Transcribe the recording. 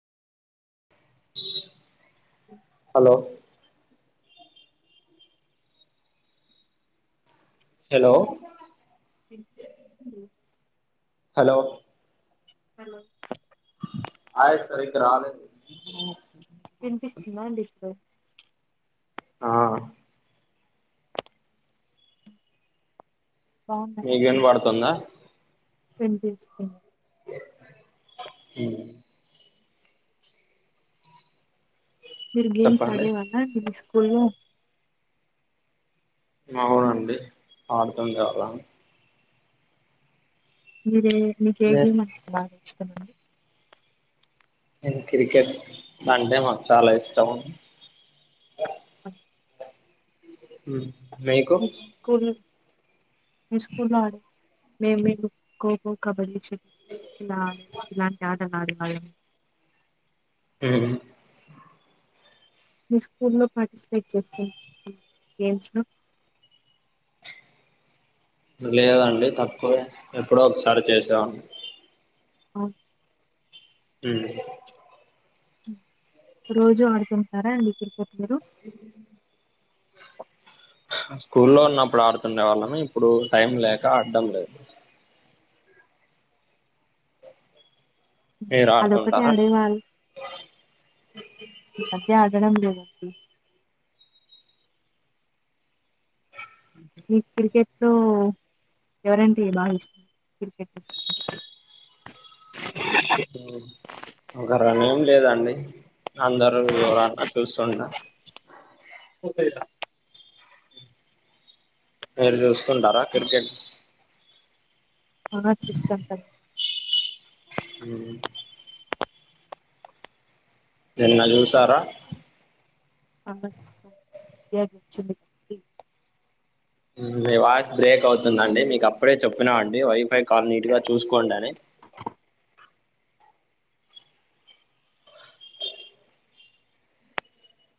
Hello hello వినిపిస్తుందా అండి. Hello hello voice సరిగ్గా రాలేదు వినిపిస్తుందండి ఇప్పుడు ఆ బాగుందా మీకు అండి వినపడుతుందా వినిపిస్తుంది ఉ మీరు గేమ్స్ చెప్పండి ఆడే వాళ్ళ అండి మీ స్కూల్లో అవునండి ఆడతుండే వాళ్ళం మీదే మీక్ ఏ గేమ్ అం బాగా ఇష్టమండి. నేను క్రికెట్ అంటే మాకు చాలా ఇష్టం ఆ ఉ మీ స్కుల్ మీస్కులో ఆడే మేం మేము కోకో, కబడ్డీ ఇలానే ఇలాంటి ఆటలు ఆడేవాళ్ళం ఉ మీ స్కూల్లో పార్టిసిపేట్ చేస్తు [unintelligible] గేమ్స్ లో లేదండి తక్కువే ఎప్పుడో ఒకసారి చేసావాని ఆఓ ఉ రోజు ఆడుతుంటారా అడి క్రికెట్ మీరు [inaudible] స్కూల్లో ఉన్నప్పుడు ఆడుతుండే వాళ్ళము ఇప్పుడు టైం లేక ఆడ్డం లేదు. మీరు అదొకటిే ఆడుతుంటారా అడ వాాల మధ్య ఆడడం లేదా. డీ మీక్ క్రికెట్ లో ఎవరంటే బాగా ఇష్టం క్రికెట్లో [unintelligible] ఆ ఒక రాణి ఏం లేదండి అందరుూ ఎవరన్నా చూస్తుండ మీరు చూస్తుంటారా క్రికెట్ ఆ చూస్తాం కద ఉ నీన్న చూసారా ఆ చూసాం [unintelligible] మీ వాయిస్ బ్రేక్ అవుతుందండి మీకు అప్పుడే చెప్పినా అండి వైఫై కాల్ నీట్ గా చూసుకోండి అని.